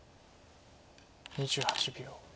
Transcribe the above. ２８秒。